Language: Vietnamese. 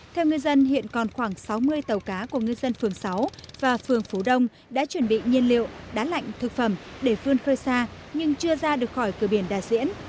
theo ngư dân hiện còn khoảng sáu mươi tàu cá của ngư dân phường sáu và phường phú đông đã chuẩn bị nhiên liệu đá lạnh thực phẩm để phương khơi xa nhưng chưa ra được khỏi cửa biển đà diễn